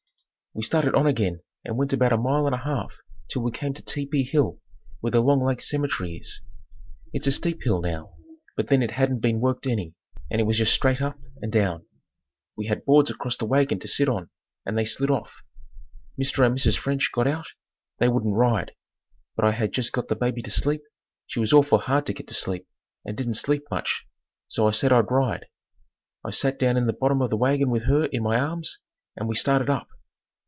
We started on again and went about a mile and a half till we came to Tepee hill where the Long Lake cemetery is. It's a steep hill now, but then it hadn't been worked any and it was just straight up and down. We had boards across the wagon to sit on, and they slid off. Mr. and Mrs. French got out, they wouldn't ride. But I had just got the baby to sleep she was awful hard to get to sleep and didn't sleep much so I said I'd ride. I sat down in the bottom of the wagon with her in my arms and we started up.